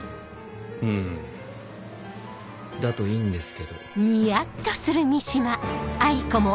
うんだといいんですけど。